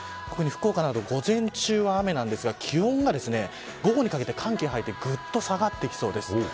特に福岡など午前中は雨ですが気温が午後にかけて寒気が入ってぐっと下がってきそうです。